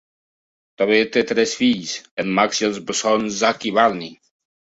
També té tres fills: en Max i els bessons Zak i Barnie.